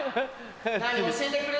何教えてくれる？